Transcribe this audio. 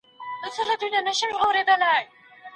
د بل چا په غلطۍ پسې خندل له اخلاقو لرې کار دی.